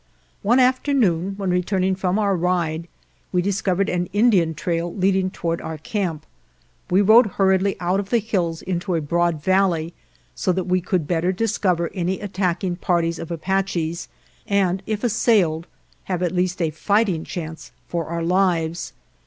One afternoon, when returning from our ride, we discovered an Indian trail leading toward our camp. We rode hurriedly out of the hills into a broad valley so that we could better discover any attacking parties of Apaches and if assailed have at least a fighting chance for our lives.